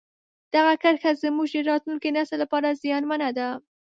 دغه کرښه زموږ د راتلونکي نسل لپاره زیانمنه ده.